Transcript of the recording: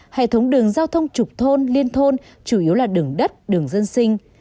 hệ thống đường giao thông trục thôn liên thôn chủ yếu là đường đất đường dân sinh